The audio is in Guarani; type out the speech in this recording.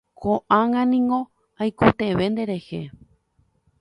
Ko'ág̃a niko aikotevẽ nderehe.